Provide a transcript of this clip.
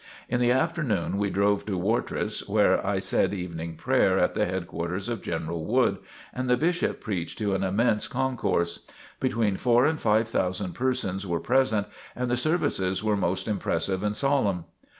In the afternoon we drove to Wartrace where I said Evening Prayer at the headquarters of General Wood, and the Bishop preached to an immense concourse. Between four and five thousand persons were present and the services were most impressive and solemn.